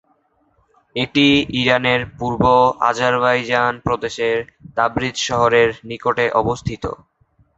এটি ইরানের পূর্ব আজারবাইজান প্রদেশের তাবরিজ শহরের নিকটে অবস্থিত।